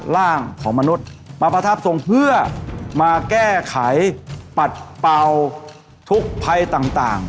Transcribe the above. ร่างของมนุษย์มาประทับทรงเพื่อมาแก้ไขปัดเป่าทุกภัยต่าง